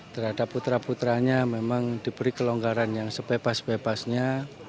terhadap putra putranya memang diberi kelonggaran yang sebebas bebasnya